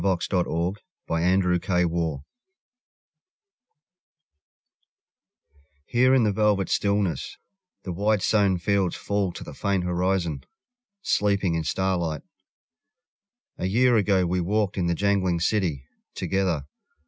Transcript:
THE INDIA WHARF HERE in the velvet stillness The wide sown fields fall to the faint horizon, Sleeping in starlight. ... A year ago we walked in the jangling city Together